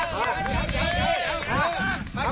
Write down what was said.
มามา